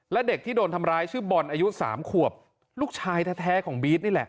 และเด็กที่โดนทำร้ายชื่อบอลอายุ๓ขวบลูกชายแท้ของบี๊ดนี่แหละ